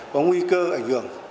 có nguy cơ ảnh hưởng